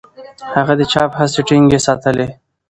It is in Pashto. هغه د چاپ هڅې ټینګې ساتلې.